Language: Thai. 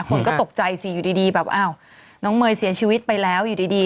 คนก็ตกใจสิอยู่ดีแบบอ้าวน้องเมย์เสียชีวิตไปแล้วอยู่ดี